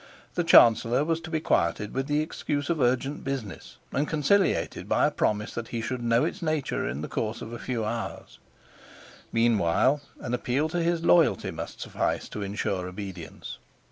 The chancellor was to be quieted with the excuse of urgent business, and conciliated by a promise that he should know its nature in the course of a few hours; meanwhile an appeal to his loyalty must suffice to insure obedience.